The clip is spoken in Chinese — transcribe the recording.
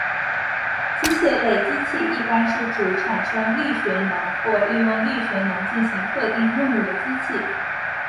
机械类机器一般是指产生力学能或是利用力学能进行特定任务的机器。